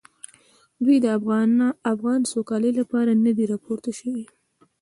دوی د افغان سوکالۍ لپاره نه دي راپورته شوي.